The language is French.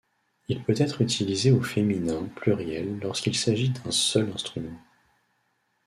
Il peut être utilisé au féminin pluriel lorsqu'il s'agit d'un seul instrument.